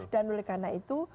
dan oleh karena itu